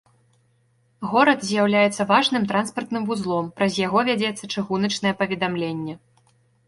Горад з'яўляецца важным транспартным вузлом, праз яго вядзецца чыгуначнае паведамленне.